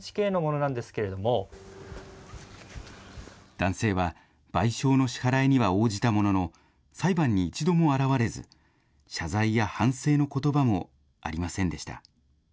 男性は賠償の支払いには応じたものの、裁判に一度も現れず、謝罪や反省のことばもありませんでした。